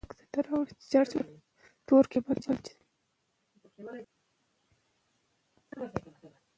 په ټولنه کې آرامش د تعلیم له امله ممکن دی.